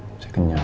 udah saya kenyal